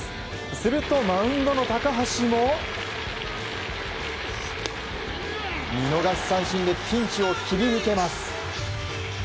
するとマウンドの高橋も見逃し三振でピンチを切り抜けます。